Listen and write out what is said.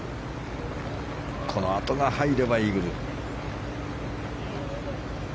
このあとが入ればイーグル。